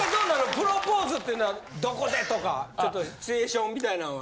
プロポーズっていうのはどこでとかちょっとシチュエーションみたいなんは。